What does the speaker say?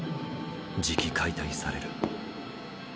じき解体される。